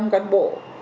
một trăm linh cán bộ